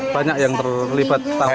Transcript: banyak yang terlipat taburan